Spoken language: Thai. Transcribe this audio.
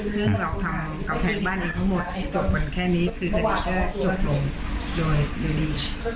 คือเราทำกำแพงบ้านเองทั้งหมดตกมันแค่นี้คือสักทีก็จะหยุดลงโดยดี